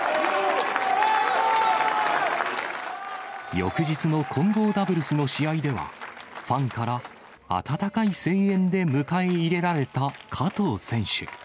翌日の混合ダブルスの試合では、ファンから温かい声援で迎え入れられた加藤選手。